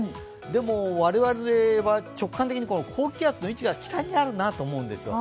でも、我々は直感的に高気圧の位置が北にあるなと思うんですよ。